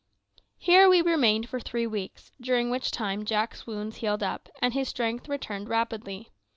Here we remained for three weeks, during which time Jack's wounds healed up, and his strength returned rapidly.